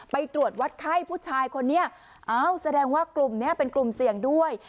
ไปตรวจวัดไข้ผู้ชายคนนี้อ้าวแสดงว่ากลุ่มนี้เป็นกลุ่มเสี่ยงด้วย